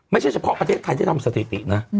ไม่ใช่เฉพาะประเทศไทยจะทำน่ะอืม